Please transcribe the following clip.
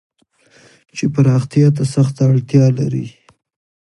چې پراختيا ته سخته اړتيا لري.